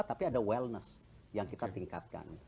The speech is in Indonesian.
tapi ada wellness yang kita tingkatkan